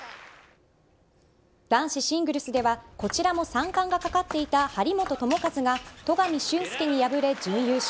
男子シングルスではこちらも３冠がかかっていた張本智和が戸上隼輔に敗れ準優勝。